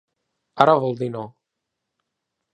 Ara vol dir no.